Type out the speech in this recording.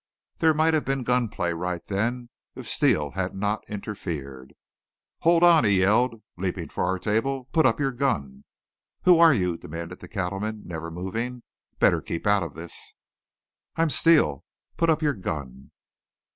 There might have been gun play right then if Steele had not interfered. "Hold on!" he yelled, leaping for our table. "Put up your gun!" "Who are you?" demanded the cattleman, never moving. "Better keep out of this." "I'm Steele. Put up your gun."